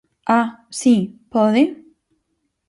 ¡Ah!, ¿si?, ¿pode?